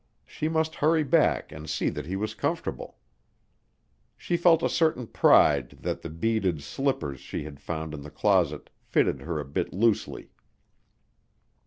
She must hurry back and see that he was comfortable. She felt a certain pride that the beaded slippers she had found in the closet fitted her a bit loosely.